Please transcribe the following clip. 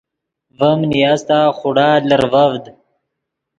ڤیم نیاستا خوڑا لرڤڤد